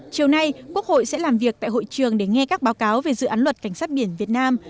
chiều nay quốc hội sẽ làm việc tại hội trường để nghe các báo cáo về dự án luật cảnh sát biển việt nam